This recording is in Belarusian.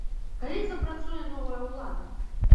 Калі запрацуе новая ўлада?